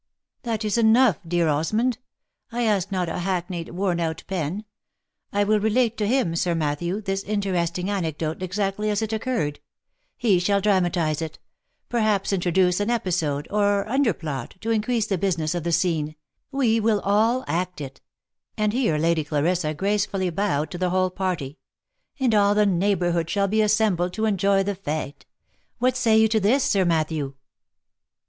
" That is enough, dear Osmond. I ask not a hackneyed worn out pen. I will relate to him, *Sir Matthew, this interesting anecdote exactly as it occurred — he shall dramatize it — perhaps introduce an episode, or underplot, to increase the business of the scene — we will all act it," and here Lady Clarissa gracefully bowed to the whole party, " and all the neighbourhood shall be assembled to enjoy the fete. What say you to this, Sir Matthew